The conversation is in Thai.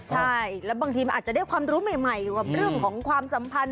ใช่แล้วบางทีมันอาจจะได้ความรู้ใหม่อยู่กับเรื่องของความสัมพันธ